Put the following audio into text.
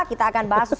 kita akan bahas